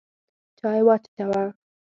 چای واچوه!